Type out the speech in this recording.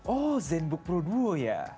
oh zenbook pro duo ya